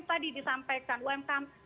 tadi disampaikan umkm